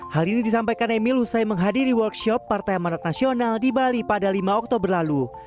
hal ini disampaikan emil usai menghadiri workshop partai amarat nasional di bali pada lima oktober lalu